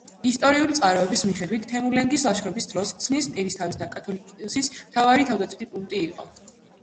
ისტორიული წყაროების მიხედვით, თემურლენგის ლაშქრობის დროს ქსნის ერისთავისა და კათოლიკოსის მთავარი თავდაცვითი პუნქტი იყო.